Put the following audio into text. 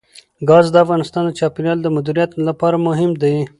ګاز د افغانستان د چاپیریال د مدیریت لپاره مهم دي.